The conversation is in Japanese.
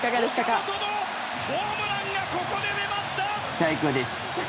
岡本のホームランがここで出ました！